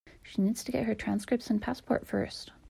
She needs to get her transcripts and passport first.